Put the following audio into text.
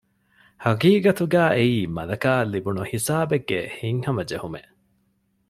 ޙަޤީޤަތުގައި އެއީ މަލަކާއަށް ލިބުނު ހިސާބެއްގެ ހިތްހަމަޖެހުމެއް